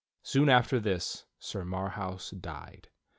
Soon after tliis Sir Marhaus died.